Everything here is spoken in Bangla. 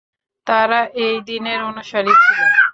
তারা এই দীনের অনুসারী ছিল।